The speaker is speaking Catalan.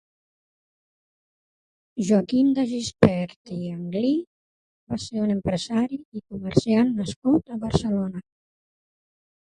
Joaquim De Gispert i Anglí va ser un empresari i comerciant nascut a Barcelona.